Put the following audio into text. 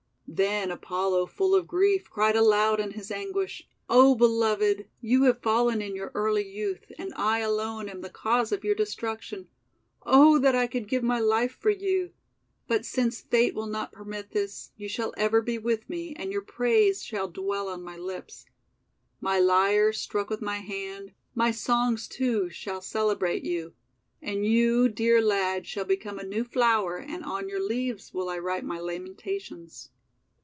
Then Apollo, full of grief, cried aloud in his anguish : "O Beloved! You have fallen in your early youth, and I alone am the cause of your destruc tion! Oh, that I could give my life for you! But since Fate will not permit this, you shall ever be with me, and your praise shall dwell on my lips. My lyre struck with my hand, my songs, too, shall celebrate you! And you, dear lad, shall become a new flower, and on your leaves will I write my lamentations."